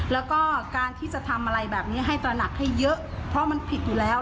แล้วก็การที่จะทำอะไรแบบนี้ให้ตระหนักให้เยอะเพราะมันผิดอยู่แล้ว